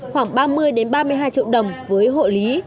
khoảng ba mươi ba mươi hai triệu đồng với hộ lý